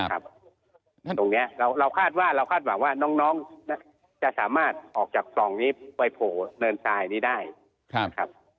ตรงนี้เราคาดว่าเราคาดหวังว่าน้องจะสามารถออกจากปล่องนี้ไปโผล่เนินทรายนี้ได้นะครับ